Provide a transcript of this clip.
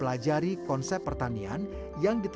maka indre kalau diangkat